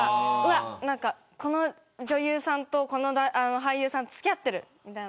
この女優さんと俳優さん付き合ってるみたいな。